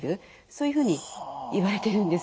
そういうふうにいわれてるんですよね。